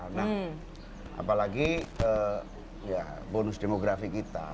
nah apalagi bonus demografi kita